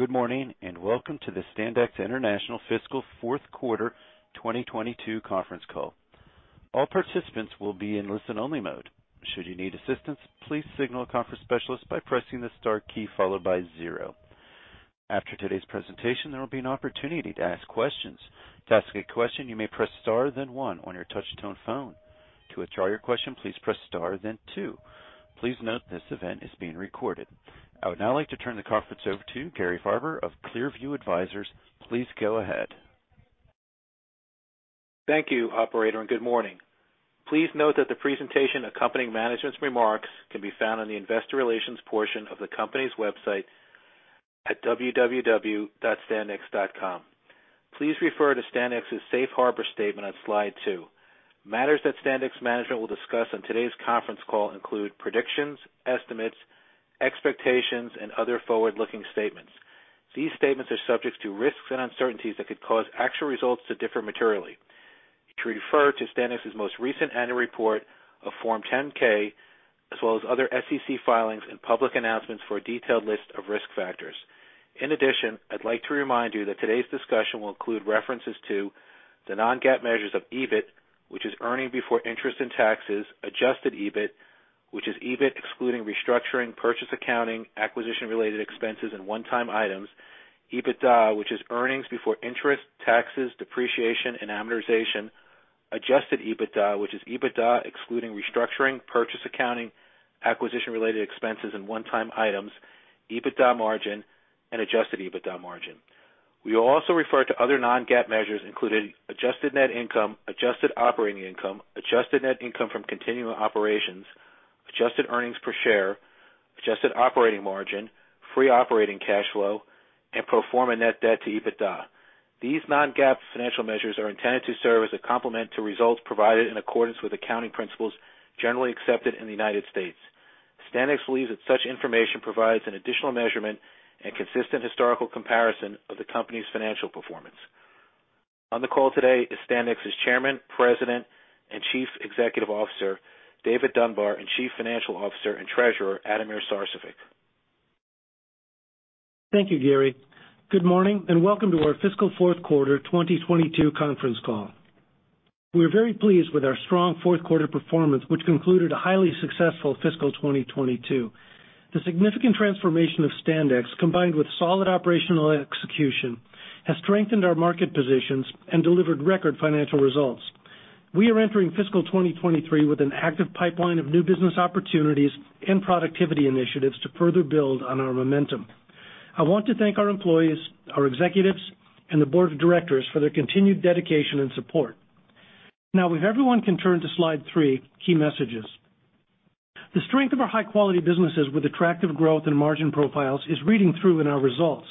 Good morning, and welcome to the Standex International Fiscal Fourth Quarter 2022 conference call. All participants will be in listen-only mode. Should you need assistance, please signal a conference specialist by pressing the star key followed by zero. After today's presentation, there will be an opportunity to ask questions. To ask a question, you may press star then one on your touch-tone phone. To withdraw your question, please press star then two. Please note this event is being recorded. I would now like to turn the conference over to Gary Farber of ClearView Advisors. Please go ahead. Thank you, operator, and good morning. Please note that the presentation accompanying management's remarks can be found on the investor relations portion of the company's website at www.standex.com. Please refer to Standex's Safe Harbor statement on slide two. Matters that Standex management will discuss on today's conference call include predictions, estimates, expectations, and other forward-looking statements. These statements are subject to risks and uncertainties that could cause actual results to differ materially. You should refer to Standex's most recent annual report on Form 10-K, as well as other SEC filings and public announcements for a detailed list of risk factors. In addition, I'd like to remind you that today's discussion will include references to the non-GAAP measures of EBIT, which is earnings before interest and taxes. Adjusted EBIT, which is EBIT excluding restructuring, purchase accounting, acquisition-related expenses, and one-time items. EBITDA, which is earnings before interest, taxes, depreciation, and amortization. Adjusted EBITDA, which is EBITDA excluding restructuring, purchase accounting, acquisition-related expenses, and one-time items. EBITDA margin and adjusted EBITDA margin. We will also refer to other non-GAAP measures, including adjusted net income, adjusted operating income, adjusted net income from continuing operations, adjusted earnings per share, adjusted operating margin, free operating cash flow, and pro forma net debt to EBITDA. These non-GAAP financial measures are intended to serve as a complement to results provided in accordance with accounting principles generally accepted in the United States. Standex believes that such information provides an additional measurement and consistent historical comparison of the company's financial performance. On the call today is Standex's Chairman, President, and Chief Executive Officer, David Dunbar, and Chief Financial Officer and Treasurer, Ademir Sarcevic. Thank you, Gary. Good morning, and welcome to our fiscal fourth quarter 2022 conference call. We are very pleased with our strong fourth quarter performance, which concluded a highly successful fiscal 2022. The significant transformation of Standex, combined with solid operational execution, has strengthened our market positions and delivered record financial results. We are entering fiscal 2023 with an active pipeline of new business opportunities and productivity initiatives to further build on our momentum. I want to thank our employees, our executives, and the board of directors for their continued dedication and support. Now, if everyone can turn to slide three, Key Messages. The strength of our high-quality businesses with attractive growth and margin profiles is reading through in our results.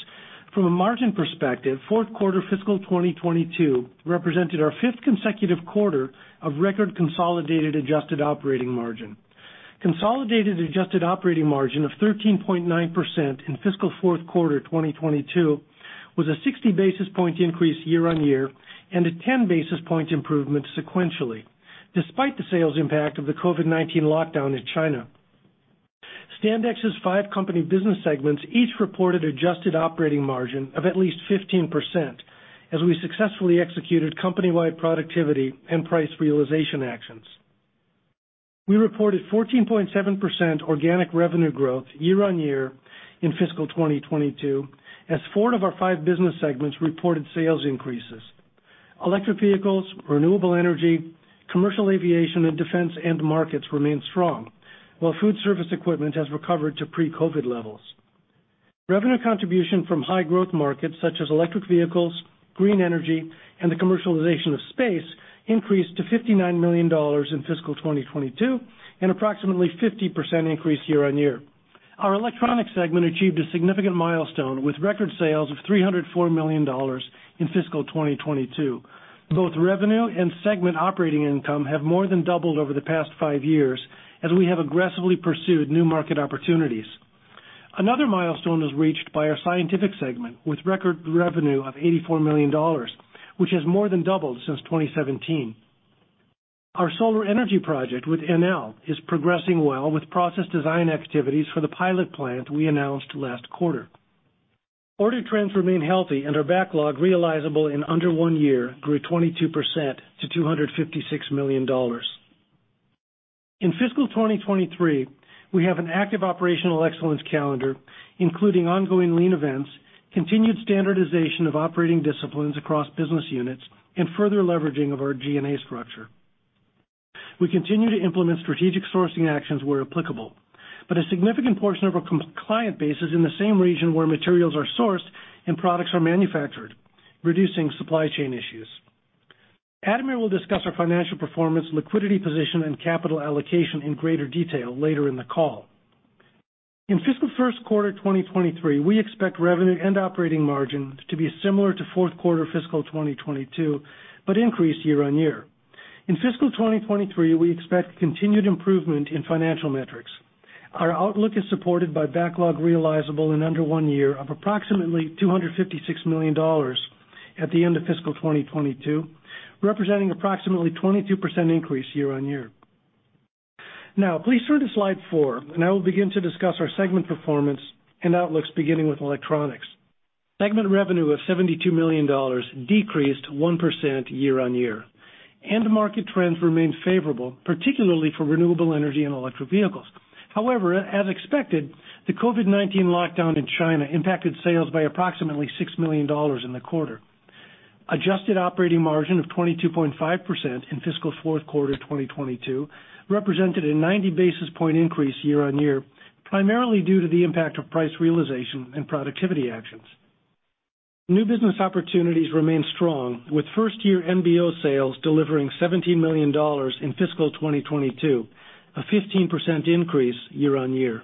From a margin perspective, fourth quarter fiscal 2022 represented our fifth consecutive quarter of record consolidated adjusted operating margin. Consolidated adjusted operating margin of 13.9% in fiscal fourth quarter 2022 was a 60 basis point increase year-on-year and a 10 basis point improvement sequentially, despite the sales impact of the COVID-19 lockdown in China. Standex's five company business segments each reported adjusted operating margin of at least 15% as we successfully executed company-wide productivity and price realization actions. We reported 14.7% organic revenue growth year-on-year in fiscal 2022 as four of our five business segments reported sales increases. Electric vehicles, renewable energy, commercial aviation, and defense end markets remain strong, while food service equipment has recovered to pre-COVID levels. Revenue contribution from high growth markets such as electric vehicles, green energy, and the commercialization of space increased to $59 million in fiscal 2022, an approximately 50% increase year-on-year. Our electronics segment achieved a significant milestone with record sales of $304 million in fiscal 2022. Both revenue and segment operating income have more than doubled over the past five years as we have aggressively pursued new market opportunities. Another milestone was reached by our scientific segment with record revenue of $84 million, which has more than doubled since 2017. Our solar energy project with Enel is progressing well with process design activities for the pilot plant we announced last quarter. Order trends remain healthy, and our backlog realizable in under one year grew 22% to $256 million. In fiscal 2023, we have an active operational excellence calendar, including ongoing lean events, continued standardization of operating disciplines across business units, and further leveraging of our G&A structure. We continue to implement strategic sourcing actions where applicable, but a significant portion of our client base is in the same region where materials are sourced and products are manufactured, reducing supply chain issues. Ademir will discuss our financial performance, liquidity position, and capital allocation in greater detail later in the call. In fiscal first quarter 2023, we expect revenue and operating margin to be similar to fourth quarter fiscal 2022, but increase year-on-year. In fiscal 2023, we expect continued improvement in financial metrics. Our outlook is supported by backlog realizable in under one year of approximately $256 million at the end of fiscal 2022, representing approximately 22% increase year-on-year. Now please turn to slide four, and I will begin to discuss our segment performance and outlooks, beginning with electronics. Segment revenue of $72 million decreased 1% year-on-year. End market trends remained favorable, particularly for renewable energy and electric vehicles. However, as expected, the COVID-19 lockdown in China impacted sales by approximately $6 million in the quarter. Adjusted operating margin of 22.5% in fiscal fourth quarter 2022 represented a 90 basis points increase year-on-year, primarily due to the impact of price realization and productivity actions. New business opportunities remain strong, with first year NBO sales delivering $17 million in fiscal 2022, a 15% increase year-on-year.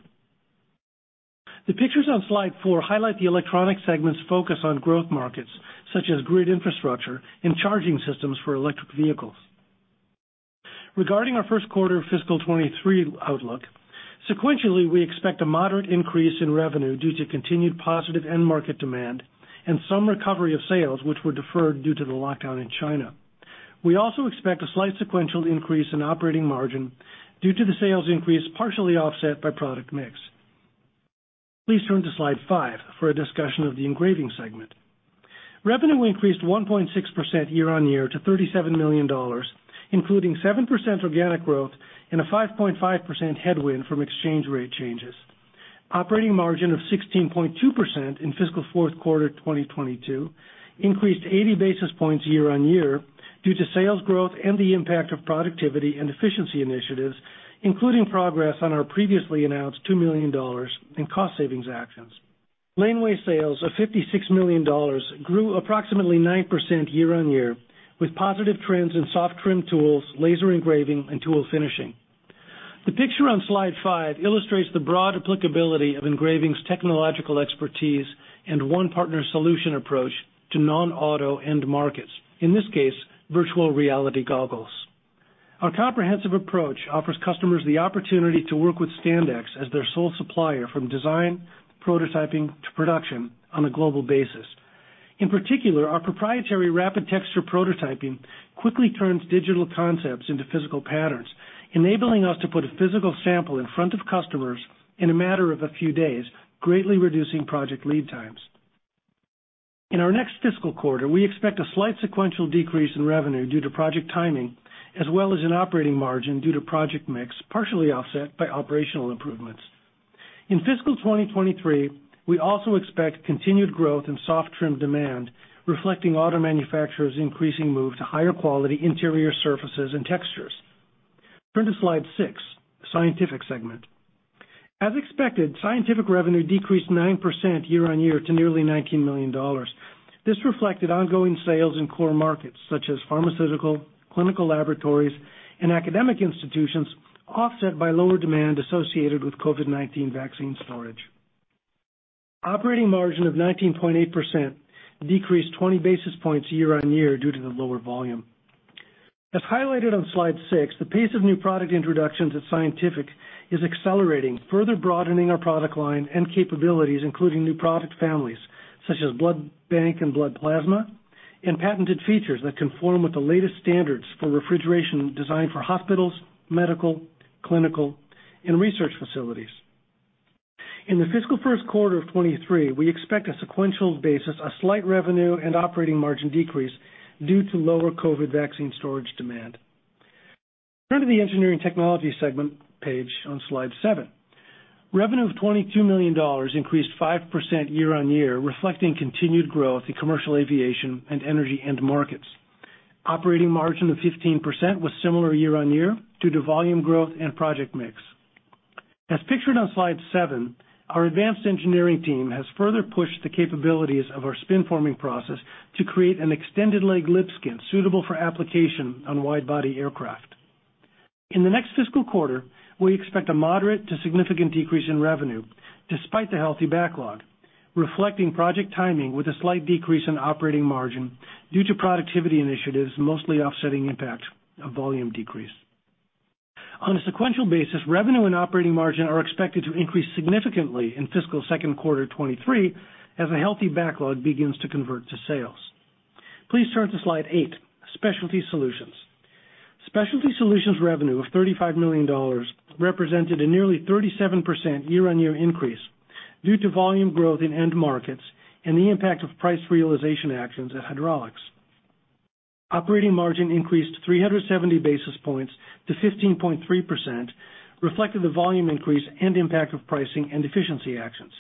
The pictures on slide four highlight the electronics segment's focus on growth markets such as grid infrastructure and charging systems for electric vehicles. Regarding our first quarter fiscal 2023 outlook, sequentially, we expect a moderate increase in revenue due to continued positive end market demand and some recovery of sales which were deferred due to the lockdown in China. We also expect a slight sequential increase in operating margin due to the sales increase, partially offset by product mix. Please turn to slide five for a discussion of the engraving segment. Revenue increased 1.6% year-on-year to $37 million, including 7% organic growth and a 5.5% headwind from exchange rate changes. Operating margin of 16.2% in fiscal fourth quarter 2022 increased 80 basis points year-on-year due to sales growth and the impact of productivity and efficiency initiatives, including progress on our previously announced $2 million in cost savings actions. Engraving sales of $56 million grew approximately 9% year-on-year, with positive trends in soft trim tools, laser engraving, and tool finishing. The picture on slide five illustrates the broad applicability of engraving's technological expertise and one partner solution approach to non-auto end markets, in this case, virtual reality goggles. Our comprehensive approach offers customers the opportunity to work with Standex as their sole supplier from design, prototyping, to production on a global basis. In particular, our proprietary rapid texture prototyping quickly turns digital concepts into physical patterns, enabling us to put a physical sample in front of customers in a matter of a few days, greatly reducing project lead times. In our next fiscal quarter, we expect a slight sequential decrease in revenue due to project timing as well as and in operating margin due to project mix, partially offset by operational improvements. In fiscal 2023, we also expect continued growth in soft trim demand, reflecting auto manufacturers' increasing move to higher quality interior surfaces and textures. Turn to slide six, Scientific Segment. As expected, scientific revenue decreased 9% year-on-year to nearly $19 million. This reflected ongoing sales in core markets such as pharmaceutical, clinical laboratories, and academic institutions, offset by lower demand associated with COVID-19 vaccine storage. Operating margin of 19.8% decreased 20 basis points year-on-year due to the lower volume. As highlighted on slide six, the pace of new product introductions at Scientific is accelerating, further broadening our product line and capabilities, including new product families such as blood bank and blood plasma, and patented features that conform with the latest standards for refrigeration designed for hospitals, medical, clinical, and research facilities. In the fiscal first quarter of 2023, we expect on a sequential basis a slight revenue and operating margin decrease due to lower COVID vaccine storage demand. Turn to the engineering technology segment page on slide seven. Revenue of $22 million increased 5% year-on-year, reflecting continued growth in commercial aviation and energy end markets. Operating margin of 15% was similar year-on-year due to volume growth and project mix. As pictured on slide seven, our advanced engineering team has further pushed the capabilities of our spin forming process to create an extended leg lip skin suitable for application on wide body aircraft. In the next fiscal quarter, we expect a moderate to significant decrease in revenue despite the healthy backlog, reflecting project timing with a slight decrease in operating margin due to productivity initiatives, mostly offsetting impact of volume decrease. On a sequential basis, revenue and operating margin are expected to increase significantly in fiscal second quarter 2023 as the healthy backlog begins to convert to sales. Please turn to slide eight, Specialty Solutions. Specialty Solutions revenue of $35 million represented a nearly 37% year-on-year increase due to volume growth in end markets and the impact of price realization actions at Hydraulics. Operating margin increased 370 basis points to 15.3%, reflecting the volume increase and impact of pricing and efficiency actions.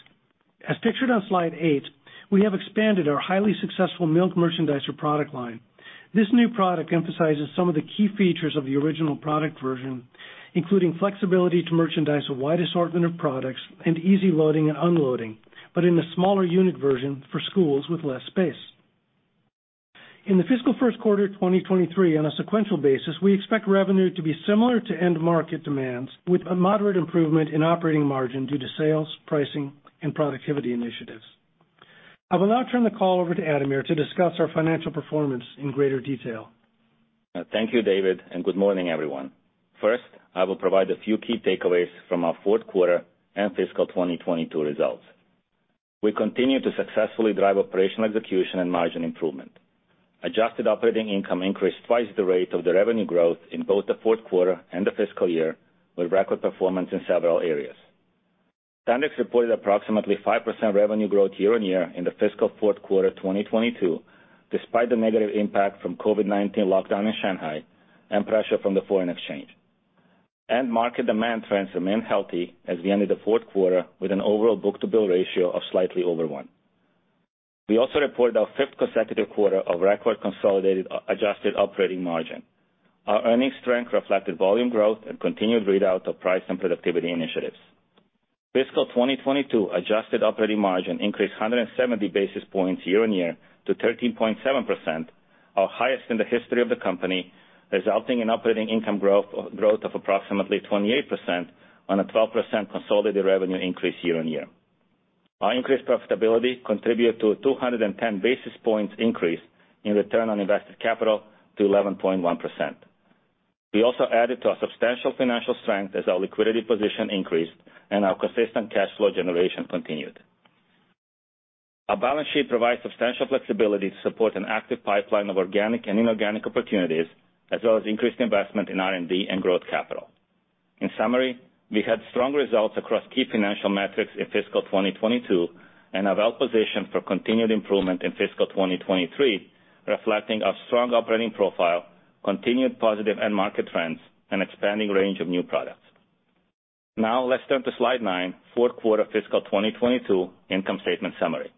As pictured on slide eight, we have expanded our highly successful milk merchandiser product line. This new product emphasizes some of the key features of the original product version, including flexibility to merchandise a wide assortment of products and easy loading and unloading, but in a smaller unit version for schools with less space. In the fiscal first quarter 2023, on a sequential basis, we expect revenue to be similar to end market demands, with a moderate improvement in operating margin due to sales, pricing, and productivity initiatives. I will now turn the call over to Ademir to discuss our financial performance in greater detail. Thank you, David, and good morning, everyone. First, I will provide a few key takeaways from our fourth quarter and fiscal 2022 results. We continue to successfully drive operational execution and margin improvement. Adjusted operating income increased twice the rate of the revenue growth in both the fourth quarter and the fiscal year, with record performance in several areas. Standex reported approximately 5% revenue growth year-on-year in the fiscal fourth quarter of 2022, despite the negative impact from COVID-19 lockdown in Shanghai and pressure from the foreign exchange. End market demand trends remain healthy as we ended the fourth quarter with an overall book-to-bill ratio of slightly over one. We also reported our fifth consecutive quarter of record consolidated adjusted operating margin. Our earnings strength reflected volume growth and continued readout of price and productivity initiatives. Fiscal 2022 adjusted operating margin increased 170 basis points year-on-year to 13.7%, our highest in the history of the company, resulting in operating income growth of approximately 28% on a 12% consolidated revenue increase year-on-year. Our increased profitability contributed to a 210 basis points increase in return on invested capital to 11.1%. We also added to our substantial financial strength as our liquidity position increased and our consistent cash flow generation continued. Our balance sheet provides substantial flexibility to support an active pipeline of organic and inorganic opportunities, as well as increased investment in R&D and growth capital. In summary, we had strong results across key financial metrics in fiscal 2022 and are well-positioned for continued improvement in fiscal 2023, reflecting our strong operating profile, continued positive end market trends, and expanding range of new products. Now let's turn to slide nine, fourth quarter fiscal 2022 income statement summary.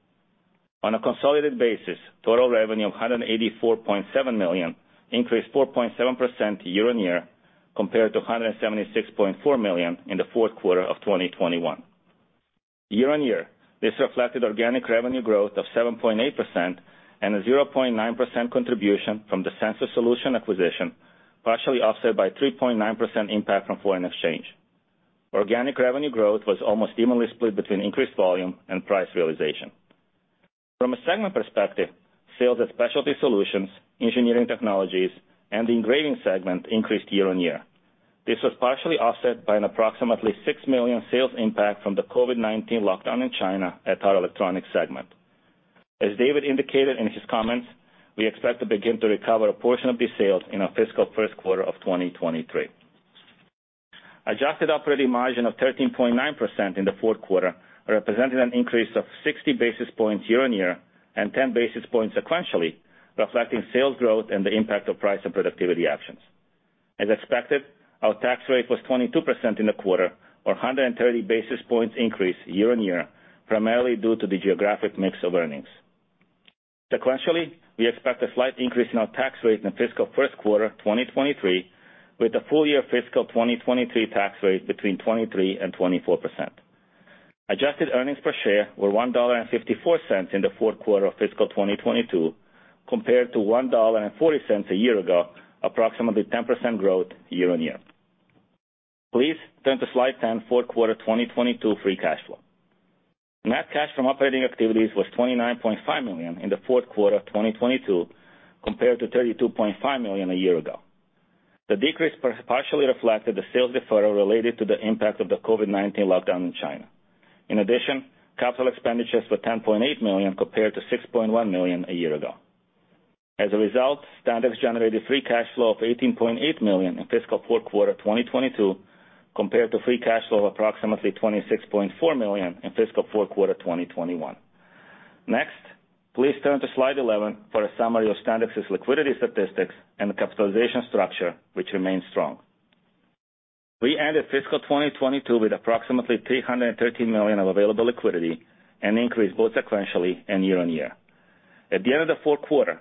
On a consolidated basis, total revenue of $184.7 million increased 4.7% year-on-year compared to $176.4 million in the fourth quarter of 2021. Year-on-year, this reflected organic revenue growth of 7.8% and a 0.9% contribution from the Sensor Solutions acquisition, partially offset by 3.9% impact from foreign exchange. Organic revenue growth was almost evenly split between increased volume and price realization. From a segment perspective, sales at Specialty Solutions, Engineering Technologies, and the Engraving segment increased year-on-year. This was partially offset by an approximately $6 million sales impact from the COVID-19 lockdown in China at our Electronics segment. As David indicated in his comments, we expect to begin to recover a portion of these sales in our fiscal first quarter of 2023. Adjusted operating margin of 13.9% in the fourth quarter represented an increase of 60 basis points year-on-year and 10 basis points sequentially, reflecting sales growth and the impact of price and productivity actions. As expected, our tax rate was 22% in the quarter or 130 basis points increase year-on-year, primarily due to the geographic mix of earnings. Sequentially, we expect a slight increase in our tax rate in the fiscal first quarter of 2023, with the full year fiscal 2023 tax rate between 23%-24%. Adjusted earnings per share were $1.54 in the fourth quarter of fiscal 2022 compared to $1.40 a year ago, approximately 10% growth year-on-year. Please turn to slide 10, fourth quarter of 2022 free cash flow. Net cash from operating activities was $29.5 million in the fourth quarter of 2022 compared to $32.5 million a year ago. The decrease partially reflected the sales deferral related to the impact of the COVID-19 lockdown in China. In addition, capital expenditures were $10.8 million compared to $6.1 million a year ago. As a result, Standex generated free cash flow of $18.8 million in fiscal fourth quarter of 2022 compared to free cash flow of approximately $26.4 million in fiscal fourth quarter of 2021. Next, please turn to slide 11 for a summary of Standex's liquidity statistics and capitalization structure, which remains strong. We ended fiscal 2022 with approximately $313 million of available liquidity, an increase both sequentially and year-on-year. At the end of the fourth quarter,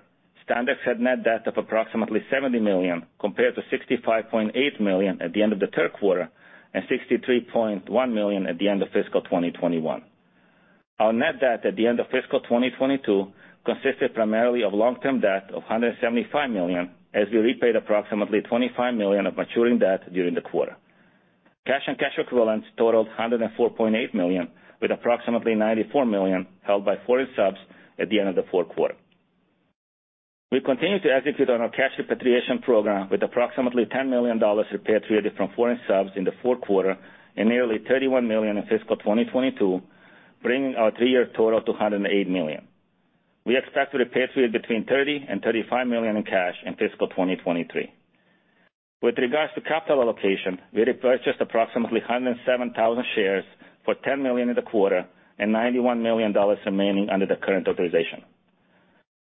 Standex had net debt of approximately $70 million compared to $65.8 million at the end of the third quarter and $63.1 million at the end of fiscal 2021. Our net debt at the end of fiscal 2022 consisted primarily of long-term debt of $175 million, as we repaid approximately $25 million of maturing debt during the quarter. Cash and cash equivalents totaled $104.8 million, with approximately $94 million held by foreign subs at the end of the fourth quarter. We continue to execute on our cash repatriation program with approximately $10 million repatriated from foreign subs in the fourth quarter and nearly $31 million in fiscal 2022, bringing our three-year total to $108 million. We expect to repatriate between $30 million and $35 million in cash in fiscal 2023. With regards to capital allocation, we repurchased approximately 107,000 shares for $10 million in the quarter and $91 million remaining under the current authorization.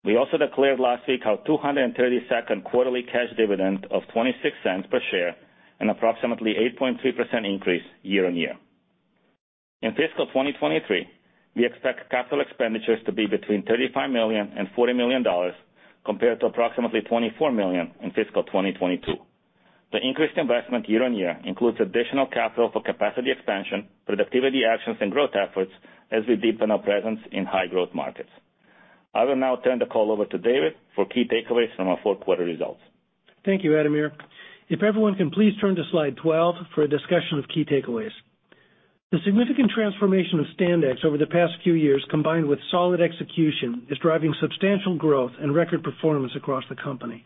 We also declared last week our 232nd quarterly cash dividend of $0.26 per share and approximately 8.3% increase year-on-year. In fiscal 2023, we expect capital expenditures to be between $35 million and $40 million compared to approximately $24 million in fiscal 2022. The increased investment year-on-year includes additional capital for capacity expansion, productivity actions, and growth efforts as we deepen our presence in high growth markets. I will now turn the call over to David for key takeaways from our fourth quarter results. Thank you, Ademir. If everyone can please turn to slide 12 for a discussion of key takeaways. The significant transformation of Standex over the past few years, combined with solid execution, is driving substantial growth and record performance across the company.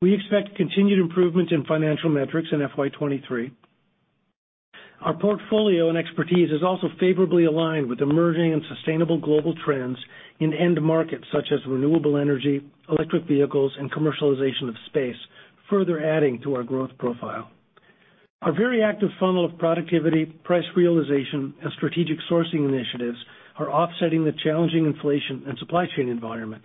We expect continued improvement in financial metrics in FY23. Our portfolio and expertise is also favorably aligned with emerging and sustainable global trends in end markets such as renewable energy, electric vehicles, and commercialization of space, further adding to our growth profile. Our very active funnel of productivity, price realization, and strategic sourcing initiatives are offsetting the challenging inflation and supply chain environment.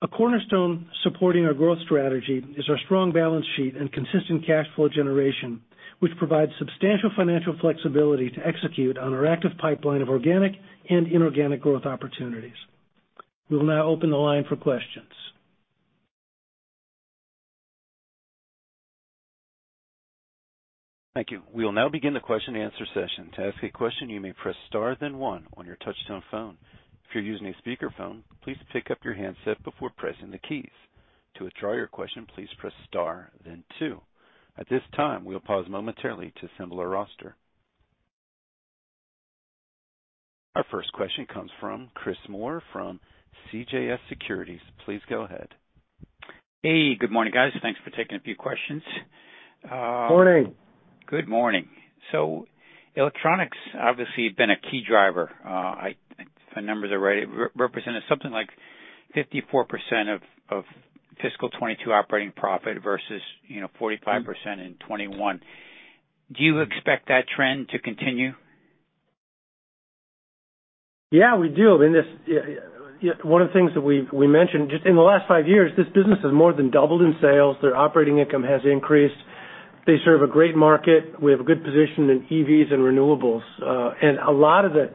A cornerstone supporting our growth strategy is our strong balance sheet and consistent cash flow generation, which provides substantial financial flexibility to execute on our active pipeline of organic and inorganic growth opportunities. We will now open the line for questions. Thank you. We will now begin the question answer session. To ask a question, you may press star then one on your touchtone phone. If you're using a speakerphone, please pick up your handset before pressing the keys. To withdraw your question, please press star then two. At this time, we'll pause momentarily to assemble our roster. Our first question comes from Chris Moore from CJS Securities. Please go ahead. Hey, good morning, guys. Thanks for taking a few questions. Morning. Good morning. Electronics obviously have been a key driver. The numbers already represented something like 54% of fiscal 2022 operating profit versus 45% in 2021. Do you expect that trend to continue? Yeah, we do. I mean, one of the things that we've mentioned, just in the last five years, this business has more than doubled in sales. Their operating income has increased. They serve a great market. We have a good position in EVs and renewables. A lot of the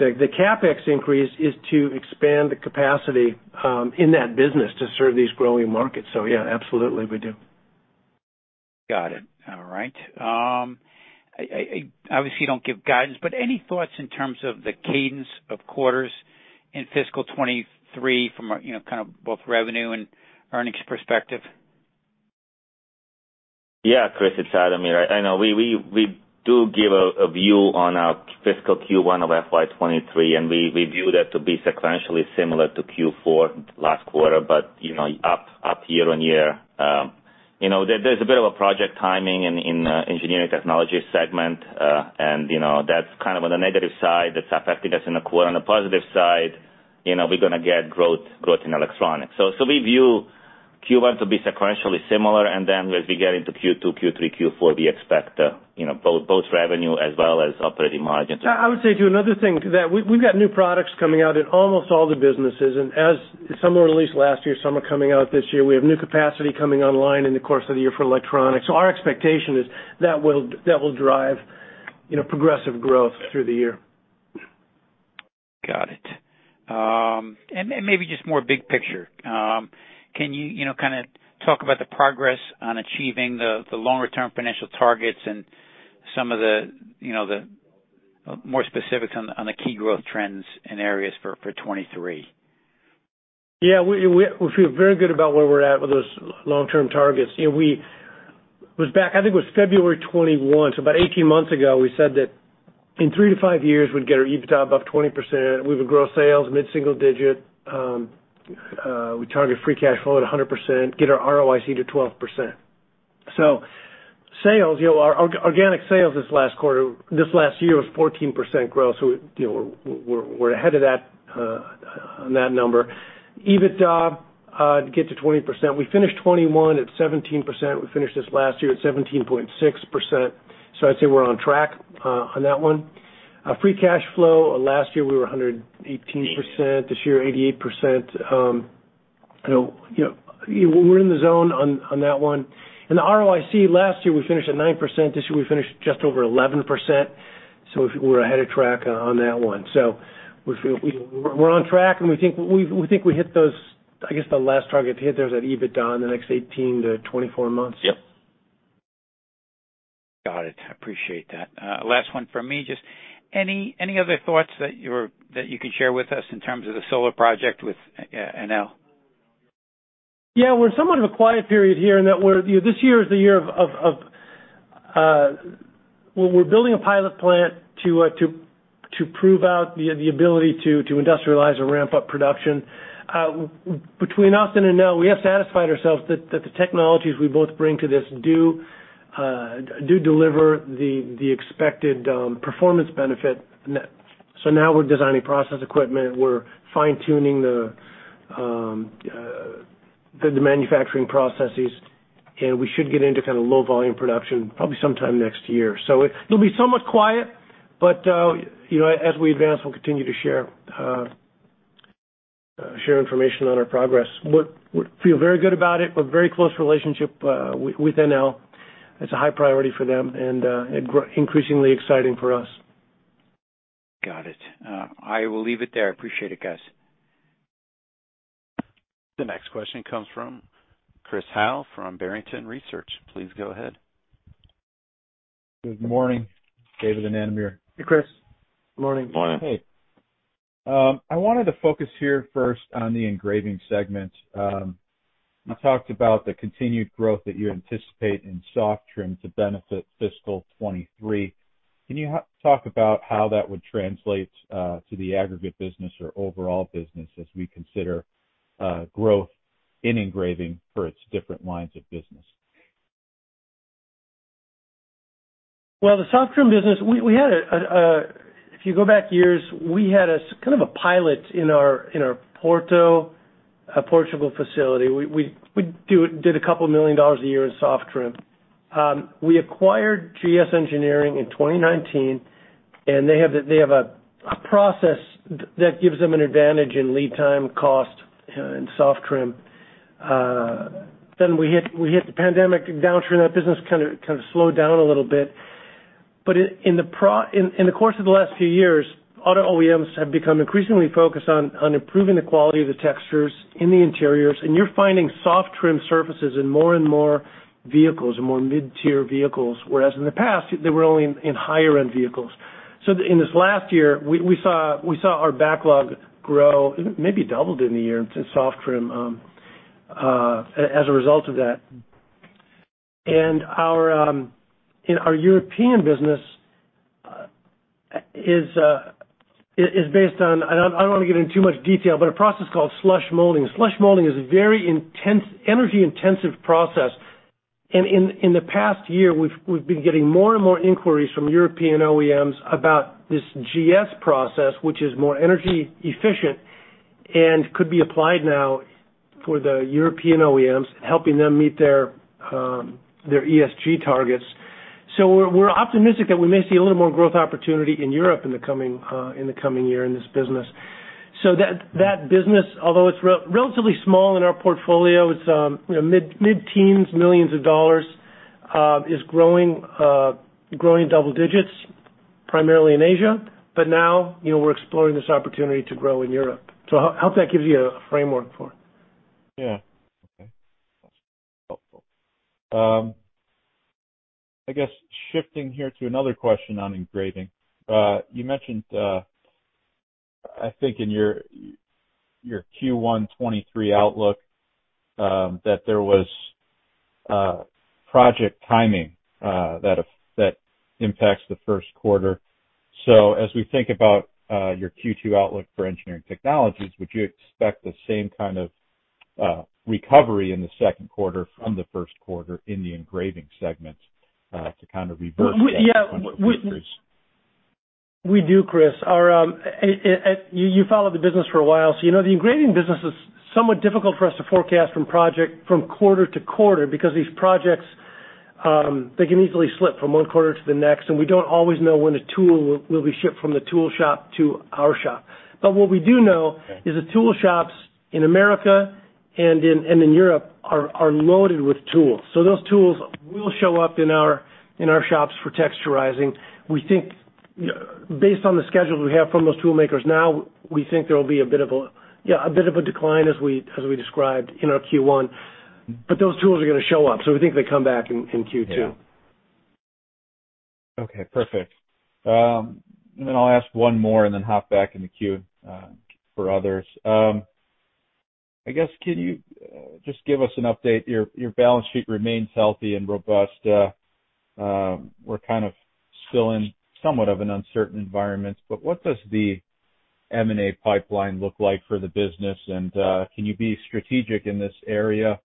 CapEx increase is to expand the capacity in that business to serve these growing markets. Yeah, absolutely we do. Got it. All right. I obviously you don't give guidance, but any thoughts in terms of the cadence of quarters in fiscal 2023 from a you know kind of both revenue and earnings perspective? Yeah, Chris, it's Ademir. I know we do give a view on our fiscal Q1 of FY23, and we view that to be sequentially similar to Q4 last quarter, but, you know, up year-over-year. You know, there's a bit of a project timing in Engineering Technologies segment, and, you know, that's kind of on the negative side that's affecting us in the quarter. On the positive side, you know, we're gonna get growth in Electronics. So we view Q1 to be sequentially similar, and then as we get into Q2, Q3, Q4, we expect, you know, both revenue as well as operating margins. I would say, too, another thing that we've got new products coming out in almost all the businesses, and as some were released last year, some are coming out this year. We have new capacity coming online in the course of the year for electronics. Our expectation is that will drive, you know, progressive growth through the year. Got it. Maybe just more big picture. Can you know, kind of talk about the progress on achieving the longer term financial targets and some of the, you know, the more specifics on the key growth trends and areas for 2023? Yeah. We feel very good about where we're at with those long-term targets. You know, we was back, I think it was February 2021, so about 18 months ago, we said that in three to five years, we'd get our EBITDA above 20%. We would grow sales mid-single digit. We target free cash flow at 100%, get our ROIC to 12%. Sales, you know, our organic sales this last year was 14% growth. You know, we're ahead of that on that number. EBITDA to get to 20%. We finished 2021 at 17%. We finished this last year at 17.6%. I'd say we're on track on that one. Free cash flow, last year we were 118%. This year, 88%. You know, we're in the zone on that one. The ROIC last year, we finished at 9%. This year, we finished just over 11%. We're ahead of track on that one. We feel we're on track, and we think we hit those. I guess the last target to hit there is that EBITDA in the next 18-24 months. Yep. Got it. Appreciate that. Last one from me. Just any other thoughts that you can share with us in terms of the solar project with Enel? Yeah. We're in somewhat of a quiet period here in that we're, you know, this year is the year. We're building a pilot plant to prove out the ability to industrialize or ramp up production. Between us and Enel, we have satisfied ourselves that the technologies we both bring to this do deliver the expected performance benefit. Now we're designing process equipment. We're fine-tuning the manufacturing processes, and we should get into kind of low volume production probably sometime next year. It'll be somewhat quiet, but you know, as we advance, we'll continue to share information on our progress. We feel very good about it. We've very close relationship with Enel. It's a high priority for them and increasingly exciting for us. Got it. I will leave it there. I appreciate it, guys. The next question comes from Christopher Howe from Barrington Research. Please go ahead. Good morning, David and Ademir. Hey, Chris. Good morning. Morning. Hey. I wanted to focus here first on the engraving segment. You talked about the continued growth that you anticipate in soft trim to benefit fiscal 2023. Can you talk about how that would translate to the aggregate business or overall business as we consider growth in engraving for its different lines of business? Well, the soft trim business, if you go back years, we had a kind of a pilot in our Porto, Portugal facility. We did $2 million a year in soft trim. We acquired GS Engineering in 2019, and they have a process that gives them an advantage in lead time, cost, in soft trim. Then we hit the pandemic downturn. That business kind of slowed down a little bit. In the course of the last few years, auto OEMs have become increasingly focused on improving the quality of the textures in the interiors. You're finding soft trim surfaces in more and more vehicles and more mid-tier vehicles, whereas in the past they were only in higher end vehicles. In this last year, we saw our backlog grow, maybe doubled in the year to soft trim, as a result of that. Our European business is based on a process called slush molding. Slush molding is a very intense energy intensive process. In the past year, we've been getting more and more inquiries from European OEMs about this GS process, which is more energy efficient and could be applied now for the European OEMs, helping them meet their ESG targets. We're optimistic that we may see a little more growth opportunity in Europe in the coming year in this business. That business, although it's relatively small in our portfolio, you know, mid-teens millions of dollar, is growing double digits primarily in Asia. Now, you know, we're exploring this opportunity to grow in Europe. I hope that gives you a framework for it. Yeah. Okay. That's helpful. I guess shifting here to another question on engraving. You mentioned, I think in your Q1 2023 outlook, that there was project timing that impacts the first quarter. As we think about your Q2 outlook for engineering technologies, would you expect the same kind of recovery in the second quarter from the first quarter in the engraving segment to kind of reverse? We do, Chris. You followed the business for a while, so you know, the engraving business is somewhat difficult for us to forecast from quarter to quarter because these projects, they can easily slip from one quarter to the next, and we don't always know when a tool will be shipped from the tool shop to our shop. But what we do know is that tool shops in America and in Europe are loaded with tools. So those tools will show up in our shops for texturizing. We think based on the schedules we have from those tool makers now, we think there will be a bit of a decline as we described in our Q1. Those tools are gonna show up, so we think they come back in Q2. Yeah. Okay, perfect. Then I'll ask one more and then hop back in the queue for others. I guess, can you just give us an update? Your balance sheet remains healthy and robust. We're kind of still in somewhat of an uncertain environment. What does the M&A pipeline look like for the business? Can you be strategic in this area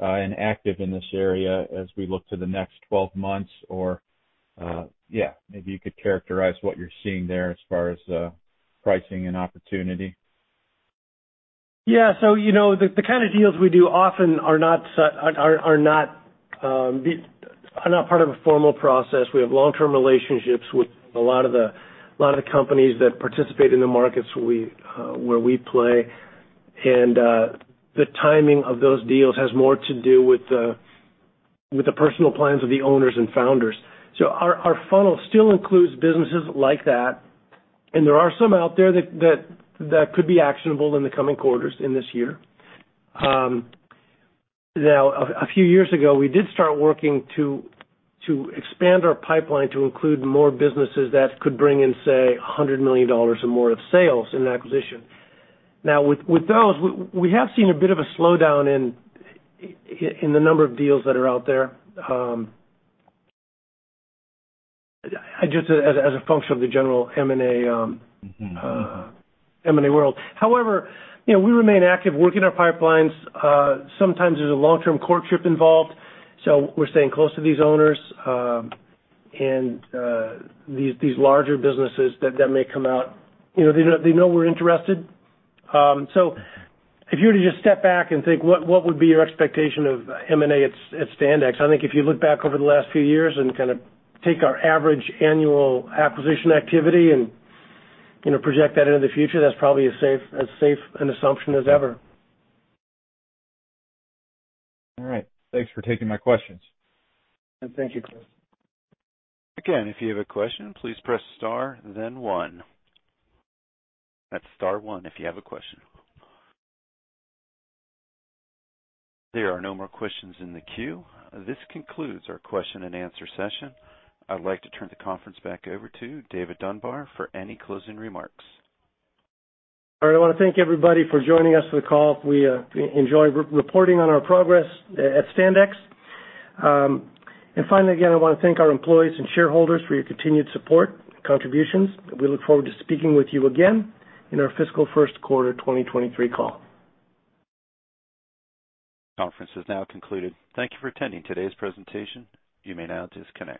and active in this area as we look to the next 12 months? Yeah, maybe you could characterize what you're seeing there as far as pricing and opportunity. Yeah. You know, the kind of deals we do often are not part of a formal process. We have long-term relationships with a lot of the companies that participate in the markets where we play. The timing of those deals has more to do with the personal plans of the owners and founders. Our funnel still includes businesses like that, and there are some out there that could be actionable in the coming quarters in this year. Now, a few years ago, we did start working to expand our pipeline to include more businesses that could bring in, say, $100 million or more of sales in an acquisition. Now, with those, we have seen a bit of a slowdown in the number of deals that are out there, just as a function of the general M&A. Mm-hmm. M&A world. However, you know, we remain active working our pipelines. Sometimes there's a long-term courtship involved, so we're staying close to these owners, and these larger businesses that may come out. You know, they know we're interested. So if you were to just step back and think what would be your expectation of M&A at Standex? I think if you look back over the last few years and kind of take our average annual acquisition activity and, you know, project that into the future, that's probably as safe an assumption as ever. All right. Thanks for taking my questions. Thank you, Chris. Again, if you have a question, please press star then one. That's star one if you have a question. There are no more questions in the queue. This concludes our question and answer session. I'd like to turn the conference back over to David Dunbar for any closing remarks. All right. I want to thank everybody for joining us for the call. We enjoy reporting on our progress at Standex. Finally, again, I want to thank our employees and shareholders for your continued support and contributions. We look forward to speaking with you again in our fiscal first quarter 2023 call. Conference is now concluded. Thank you for attending today's presentation. You may now disconnect.